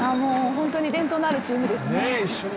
本当に伝統のあるチームですね。